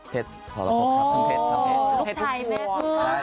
เพชรของระบบครับเพชรเพชรที่ตั้งครับลูกชายแม่พึ่ง